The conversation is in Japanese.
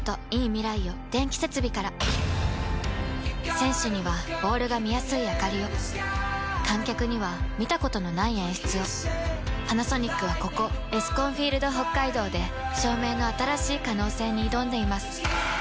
選手にはボールが見やすいあかりを観客には見たことのない演出をパナソニックはここエスコンフィールドＨＯＫＫＡＩＤＯで照明の新しい可能性に挑んでいます